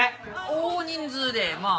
大人数でまあ。